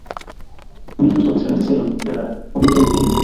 Mi ĵus trovis la necesejon de la hobitoj finfine!